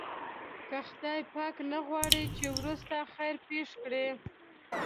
له خدای پاک نه وغواړه چې وروسته خیر پېښ کړي.